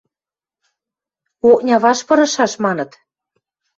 Окня вашт пырышаш! – маныт.